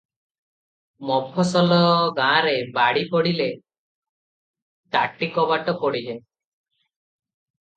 ମଫସଲ ଗାଁ’ରେ ବାଡ଼ି ପଡ଼ିଲେ ତାଟି କବାଟ ପଡ଼ିଯାଏ ।